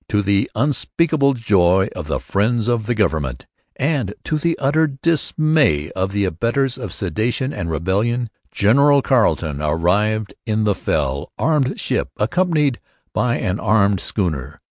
to the unspeakable joy of the friends of the Government, and to the utter Dismay of the abettors of Sedition and Rebellion, General Carleton arrived in the Fell, arm'd ship, accompanied by an arm'd schooner.